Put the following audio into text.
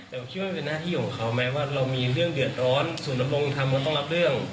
แต่ผมคิดว่าเป็นหน้าที่ของเขาไหมว่าเรามีเรื่องเดือดร้อนสุรพงศ์ธรรมก็ต้องรับเรื่อง